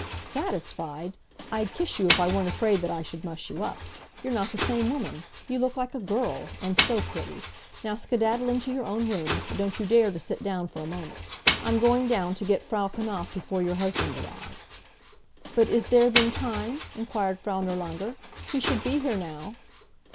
"Satisfied! I'd kiss you if I weren't afraid that I should muss you up. You're not the same woman. You look like a girl! And so pretty! Now skedaddle into your own rooms, but don't you dare to sit down for a moment. I'm going down to get Frau Knapf before your husband arrives." "But is there then time?" inquired Frau Nirlanger. "He should be here now."